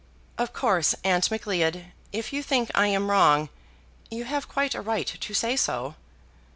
"Of course, Aunt Macleod, if you think I am wrong you have quite a right to say so."